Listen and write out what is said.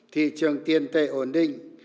thị trường tiền tệ ổn định